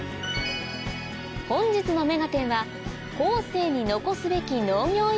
本日の『目がテン！』は後世に残すべき農業